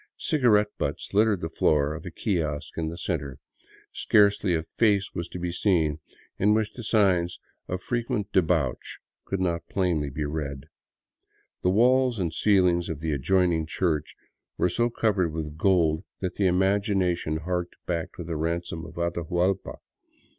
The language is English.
Cigarette butts littered the floor of a kiosk in the center; scarcely a face was to be seen in which the signs of frequent debauch could not plainly be read. The walls and ceiling of the adjoining church were so covered with gold that the imagination harked back to the ransom of Atahuallpa.